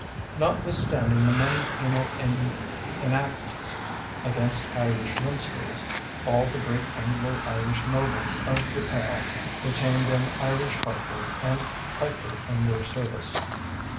Notwithstanding the many penal enactments against Irish minstrels, all the great Anglo Irish nobles of the Pale retained an Irish harper and piper in their service.